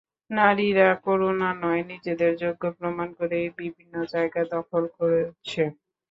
নারীরা করুণা নয়, নিজেদের যোগ্য প্রমাণ করেই বিভিন্ন জায়গা দখল করছে।